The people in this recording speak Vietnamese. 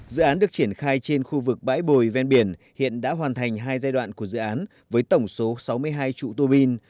dự án được triển khai trên khu vực bãi bồi ven biển hiện đã hoàn thành hai giai đoạn của dự án với tổng số sáu mươi hai trụ tùa pin